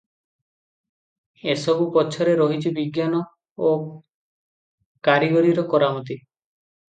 ଏସବୁ ପଛରେ ରହିଛି ବିଜ୍ଞାନ ଓ କାରିଗରୀର କରାମତି ।